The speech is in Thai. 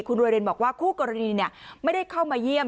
คุณรวยรินบอกว่าคู่กรณีไม่ได้เข้ามาเยี่ยม